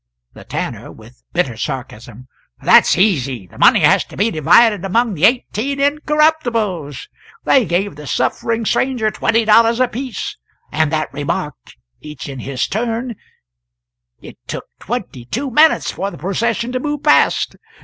The Tanner (with bitter sarcasm). "That's easy. The money has to be divided among the eighteen Incorruptibles. They gave the suffering stranger twenty dollars apiece and that remark each in his turn it took twenty two minutes for the procession to move past.